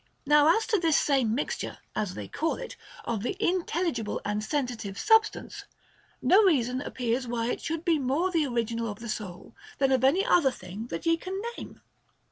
Now as to this same mixture (as they call it) of the intelligible and sensitive substance, no reason appears why it should be more the original of the soul than of any other thing that ye can name.